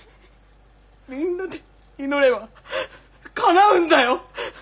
みんなで祈ればかなうんだよ！